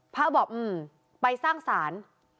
พระบอกไปสร้างศาล